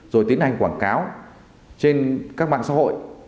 rồi tiến hành quảng cáo trên các mạng xã hội